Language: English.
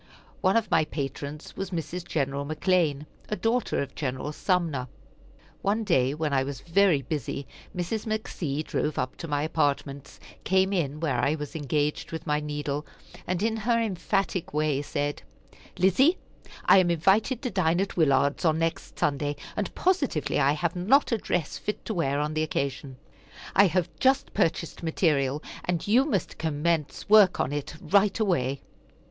One of my patrons was Mrs. Gen. McClean, a daughter of Gen. Sumner. One day when I was very busy, Mrs. McC. drove up to my apartments, came in where I was engaged with my needle, and in her emphatic way said: "Lizzie, I am invited to dine at Willard's on next Sunday, and positively I have not a dress fit to wear on the occasion. I have just purchased material, and you must commence work on it right away."